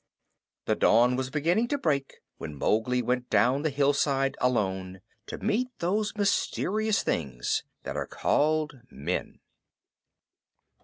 The dawn was beginning to break when Mowgli went down the hillside alone, to meet those mysterious things that are called men.